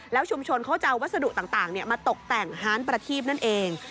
ชุมชนเขาจะเอาวัสดุต่างมาตกแต่งฮานประทีบนั่นเอง